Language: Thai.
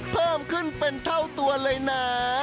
เพิ่มขึ้นเป็นเท่าตัวเลยนะ